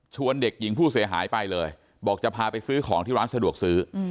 เด็กหญิงผู้เสียหายไปเลยบอกจะพาไปซื้อของที่ร้านสะดวกซื้อ